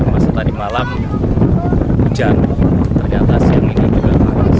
masa tadi malam hujan ternyata siang ini juga habis